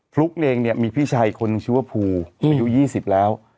ฟลุ๊กเนี้ยเองเนี้ยมีพี่ชายคนชื่อว่าภูอืมอยู่ยี่สิบแล้ว